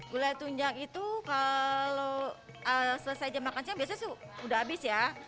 gulai tunjang itu kalau selesai jam makan siang biasanya sudah habis ya